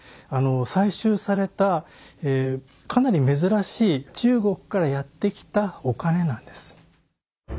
採集されたかなり珍しい中国からやって来たお金なんです。